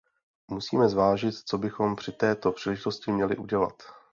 Musíme zvážit, co bychom při této příležitosti měli udělat.